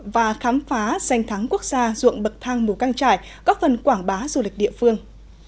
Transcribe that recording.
và khám phá danh thắng quốc gia ruộng bậc thang mù căng trải góp phần quảng bá du lịch địa phương